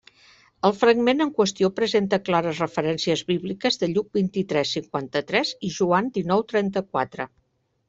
El fragment en qüestió presenta clares referències bíbliques de Lluc vint-i-tres, cinquanta-tres i Joan dinou, trenta-quatre.